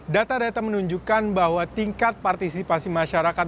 data data menunjukkan bahwa tingkat partisipasi masyarakat